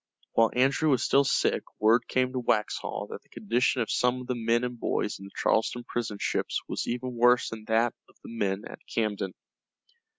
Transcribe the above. While Andrew was still sick word came to Waxhaw that the condition of some of the men and boys in the Charleston prison ships was even worse than that of the men at Camden.